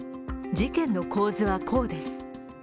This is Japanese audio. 事件の構図は、こうです。